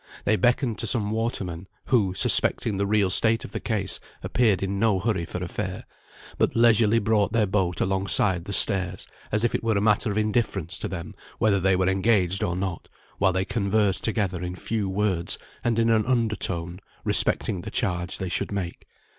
They beckoned to some watermen, who, suspecting the real state of the case, appeared in no hurry for a fare, but leisurely brought their boat alongside the stairs, as if it were a matter of indifference to them whether they were engaged or not, while they conversed together in few words, and in an under tone, respecting the charge they should make.